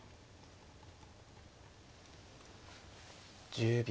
１０秒。